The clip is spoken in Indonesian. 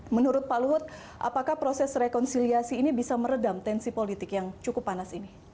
menurut pak luhut apakah proses rekonsiliasi ini bisa meredam tensi politik yang cukup panas ini